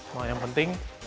nah yang penting